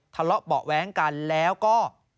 ทะเลาะเบาะแว้งกันแล้วก็